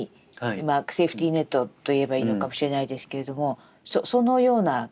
まあセーフティーネットといえばいいのかもしれないですけれどもそのような役割でもありますね。